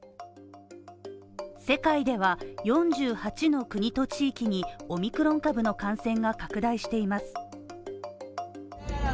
世界では４８の国と地域にオミクロン株の感染が拡大しています。